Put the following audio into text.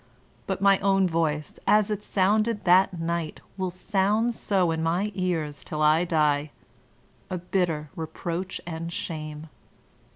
But my own voice, as it sounded that night, will sound so in my ears till I die, — a bitter reproach and shame.